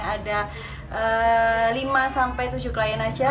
karena bulan biasanya itu hanya ada lima tujuh klien saja